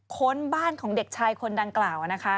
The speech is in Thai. ค้นบ้านของเด็กชายคนดังกล่าวนะคะ